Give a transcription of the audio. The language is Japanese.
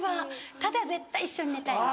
ただ絶対一緒に寝たい。